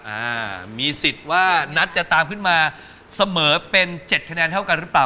อ่ามีสิทธิ์ว่านัทจะตามขึ้นมาเสมอเป็นเจ็ดคะแนนเท่ากันหรือเปล่า